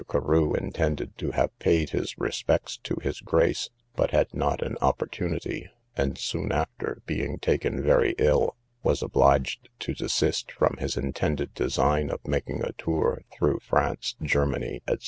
Carew intended to have paid his respects to his grace, but had not an opportunity; and soon after, being taken very ill, was obliged to desist from his intended design of making a tour through France, Germany, &c.